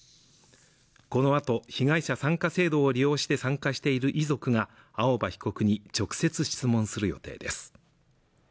このあと被害者参加制度を利用して参加している遺族が青葉被告に直接質問する予定です